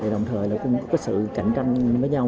đồng thời là cũng có sự cạnh tranh với nhau